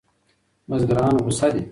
بزګران غوسه دي.